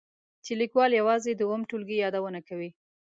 چې لیکوال یوازې د اووم ټولګي یادونه کوي.